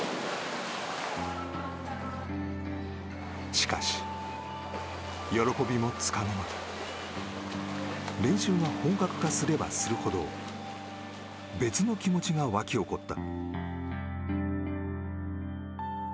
しかし、喜びもつかの間練習が本格化すればするほど別の気持ちが沸き起こった。